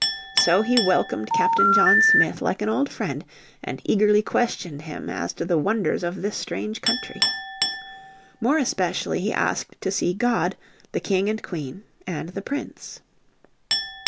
So he welcomed Captain John Smith like an old friend, and eagerly questioned him as to the wonders of this strange country. More especially he asked to see God, the King and Queen, and the Prince.